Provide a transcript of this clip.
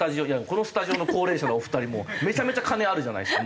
このスタジオの高齢者のお二人めちゃめちゃ金あるじゃないですか。